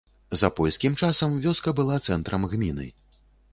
За польскім часам вёска была цэнтрам гміны.